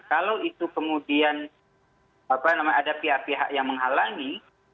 kalau itu kemudian ada pihak pihak yang menghalangi